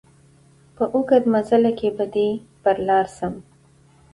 په اوږد مزله کي به دي پر لار سم